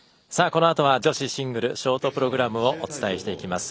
このあとは女子シングルショートプログラムをお伝えしていきます。